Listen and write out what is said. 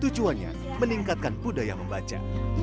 tujuannya meningkatkan budaya membaca